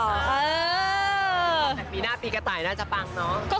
แต่มีหน้าปีกะไตน่าจะปังเนาะ